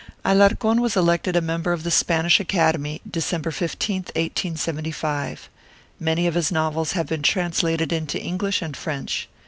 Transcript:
Alarcón was elected a member of the Spanish Academy December 15th, 1875. Many of his novels have been translated into English and French.